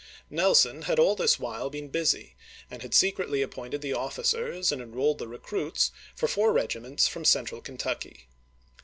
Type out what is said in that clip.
Nelson had all this while been busy, and had secretly appointed the oflScers and enrolled the recruits for four regiments from central Kentucky.